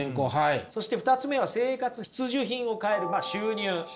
そして２つ目は生活必需品を買えるまあ収入。